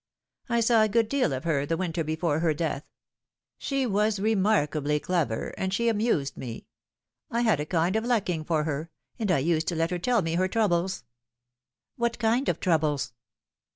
I saw a good deal of her the winter before her death. She was remarkably clever, and she amused me. I had a kind of liking for her, and I used to let her tell me her troubles." " What kind of troubles